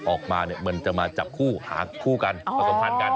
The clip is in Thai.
ออกมาเหมือนจะมาจับคู่หาคู่กันผสมคัญกัน